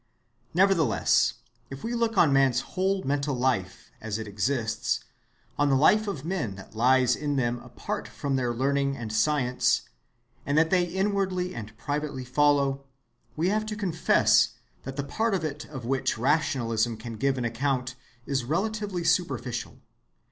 Nevertheless, if we look on man's whole mental life as it exists, on the life of men that lies in them apart from their learning and science, and that they inwardly and privately follow, we have to confess that the part of it of which rationalism can give an account is relatively superficial.